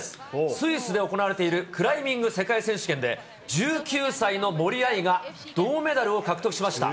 スイスで行われているクライミング世界選手権で、１９歳の森秋彩が、銅メダルを獲得しました。